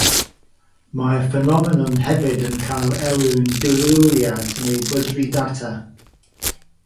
Mae'r ffenomenon hefyd yn cael elw'n ddirywiad neu bydru data.